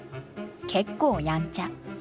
結構やんちゃ。